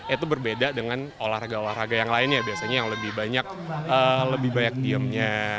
itu berbeda dengan olahraga olahraga yang lainnya biasanya yang lebih banyak lebih banyak diemnya